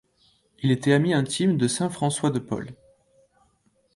Il était ami intime de saint François de Paule.